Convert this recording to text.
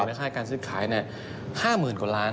ในค่าการซื้อขายเนี่ย๕๐๐๐๐กว่าร้าน